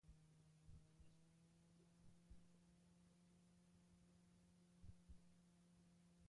Batasunak ezin izan zuen bere burua aurkeztu, legez kanpo baitzegoen.